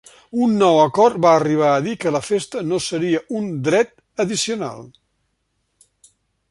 Un nou acord va arribar a dir que la festa no seria un dret addicional.